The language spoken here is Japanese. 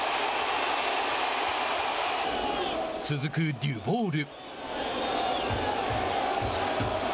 続くデュボール。